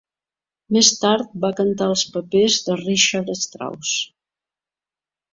Més tard va cantar els papers de Richard Strauss.